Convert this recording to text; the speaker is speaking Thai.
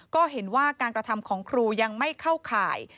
ก็เห็นว่าการกระทำของครูยังไม่เข้าข่าย